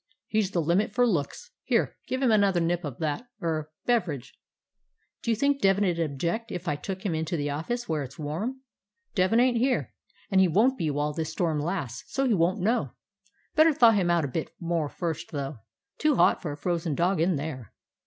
"He 's the limit for looks. Here, give him another nip of that — er — beveridge." "Do you think Devin 'd object if I took him into the office where it 's warm?" "Devin ain't here, and he won't be while this storm lasts, so he won't know. Better thaw him out a bit more first, though. Too hot for a frozen dog in there.